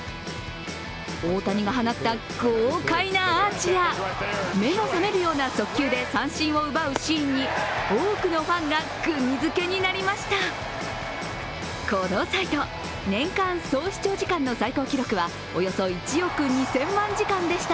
大谷が放った、豪快なアーチや、目の覚めるような速球で三振を奪うシーンに多くのファンがくぎづけになりました。